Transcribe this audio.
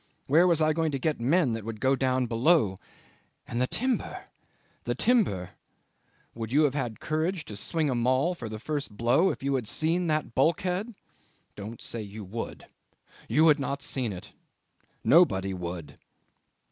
Where was I going to get men that would go down below? And the timber the timber! Would you have had the courage to swing the maul for the first blow if you had seen that bulkhead? Don't say you would: you had not seen it; nobody would.